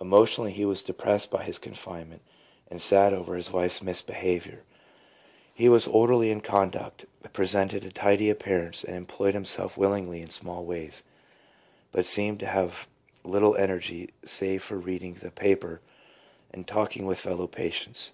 Emotionally, he was depressed by his con finement, and sad over his wife's misbehaviour. He INSANITY. 271 was orderly in conduct, presented a tidy appearance, and employed himself willingly in small ways, but seemed to have little energy save for reading the paper and talking with fellow patients.